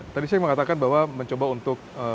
tadi saya mengatakan bahwa mencoba untuk